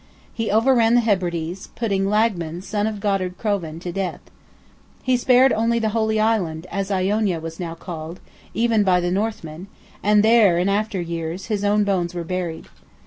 He overran the Hebrides, putting Lagman, son of Godard Crovan, to death. He spared only "the holy Island," as Iona was now called, even by the Northmen, and there, in after years, his own bones were buried.